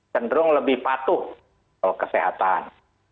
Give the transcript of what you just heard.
cenderung lebih patuh kesehatan